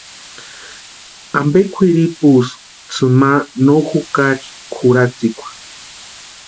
¿Ampe kwʼiripuski tsʼïma no jukari kʼuratsikwa?